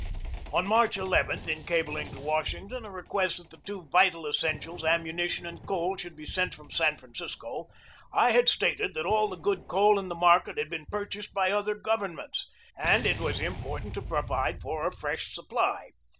On March n, in cabling to Washington a re quest that the two vital essentials, ammunition and coal, should be sent from San Francisco, I had stated that all the good coal in the market had been pur chased by other governments, and it was important to provide for a fresh supply.